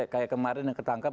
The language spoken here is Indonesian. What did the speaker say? kayak kemarin yang ketangkap